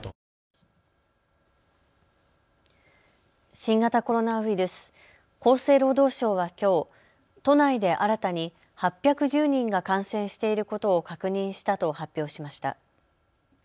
新型コロナウイルス、厚生労働省はきょう都内で新たに８１０人が感染していることを確認したと発表しました。